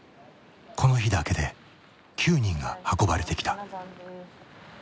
この日だけで９人が運ばれてきた。